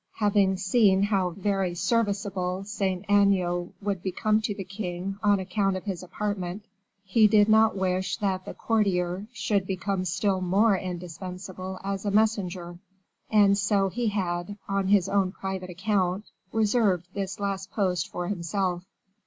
Having seen how very serviceable Saint Aignan would become to the king on account of his apartment, he did not wish that the courtier should become still more indispensable as a messenger, and so he had, on his own private account, reserved this last post for himself.